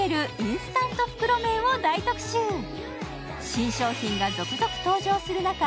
新商品が続々登場する中、